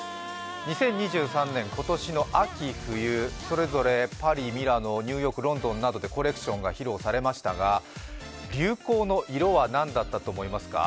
２０２３年、今年の秋冬、それぞれパリ、ミラノニューヨーク、ロンドンなどでコレクションが披露されましたがが流行の色はなんだったと思いますか？